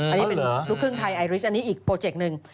อันนี้เป็นลูกครึ่งไทยไอริสอันนี้อีกโปรเจกต์หนึ่ง